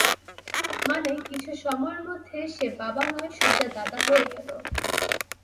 মানে কিছু সময়ের মধ্যে সে বাবা নয় সোজা দাদা হয়ে গেল।